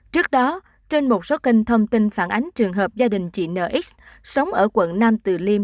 trước đó trên một số kênh thông tin phản ánh trường hợp gia đình chị nx sống ở quận nam từ liêm